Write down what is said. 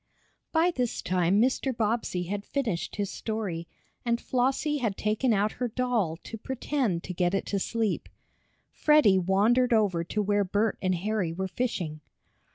By this time Mr. Bobbsey had finished his story, and Flossie had taken out her doll to pretend to get it to sleep. Freddie wandered over to where Bert and Harry were fishing.